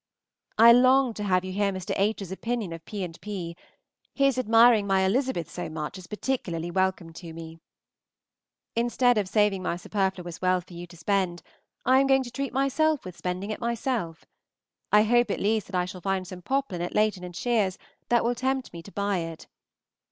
I long to have you hear Mr. H.'s opinion of P. and P. His admiring my Elizabeth so much is particularly welcome to me. Instead of saving my superfluous wealth for you to spend, I am going to treat myself with spending it myself. I hope, at least, that I shall find some poplin at Layton and Shear's that will tempt me to buy it.